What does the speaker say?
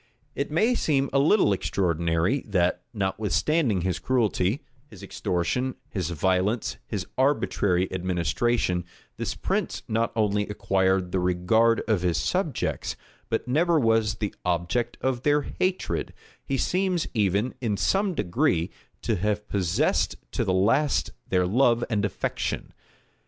It may seem a little extraordinary, that, notwithstanding his cruelty, his extortion, his violence, his arbitrary administration, this prince not only acquired the regard of his subjects, but never was the object of their hatred: he seems even, in some degree, to have possessed to the last their love and affection.